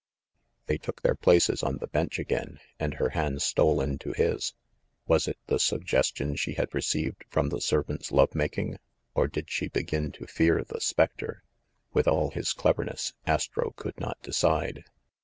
They took their places on the bench again, and her hand stole into his. Was it the suggestion she had received from the servants' love making, or did she be gin to fear the specter ? "With all his cleverness, Astro could not decide.